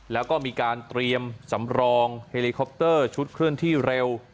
แล้วก็มีการเตรียมสำรองเฮลิคอปเตอร์ชุดเคลื่อนที่เร็ว